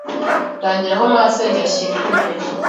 Ndangira aho masenge ashyinguye